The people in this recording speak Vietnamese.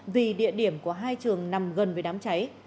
vì địa điểm của hai trường nằm gần với đám cháy